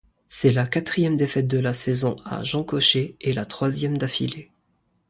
C’est la quatrième défaite de la saison à Jean-Cochet et la troisième d’affilée.